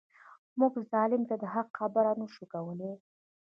موږ ظالم ته د حق خبره نه شو کولای.